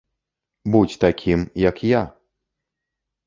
Будзь такім, як я!